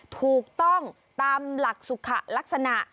ถูกต้องตามหลักสุขลักษณะ